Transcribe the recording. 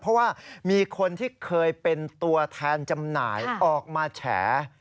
เพราะว่ามีคนที่เคยเป็นตัวแทนจำหน่ายออกมาแฉ